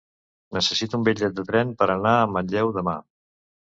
Necessito un bitllet de tren per anar a Manlleu demà.